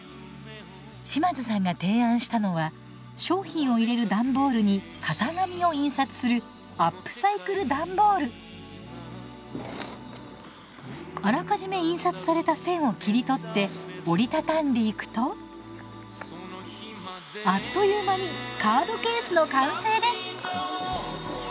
島津さんが提案したのは商品を入れる段ボールに型紙を印刷するあらかじめ印刷された線を切り取って折り畳んでいくとあっという間にカードケースの完成です！